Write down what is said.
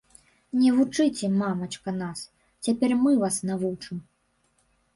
Не вучыце, мамачка, нас, цяпер мы вас навучым.